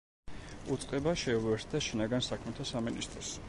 უწყება შეუერთდა შინაგან საქმეთა სამინისტროს.